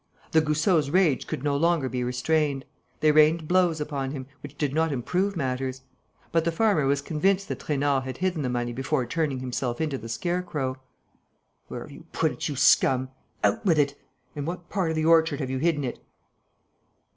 The Goussots' rage could no longer be restrained. They rained blows upon him, which did not improve matters. But the farmer was convinced that Trainard had hidden the money before turning himself into the scarecrow: "Where have you put it, you scum? Out with it! In what part of the orchard have you hidden it?"